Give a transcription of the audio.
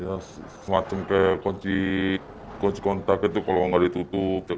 ya semacam seperti kunci kontak itu kalau tidak ditutup